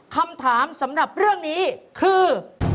คำถามสำหรับเรื่องนี้คือ